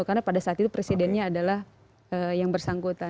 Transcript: karena pada saat itu presidennya adalah yang bersangkutan